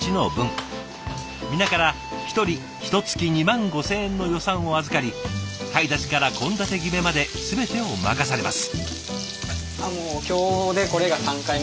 皆から１人ひとつき２万５，０００円の予算を預かり買い出しから献立決めまで全てを任されます。